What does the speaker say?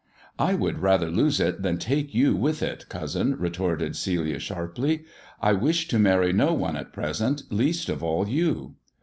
" I would rather lose it than take you with it, cousin," retorted Celia sharply. " I wish to marry no one at present, least of all you.''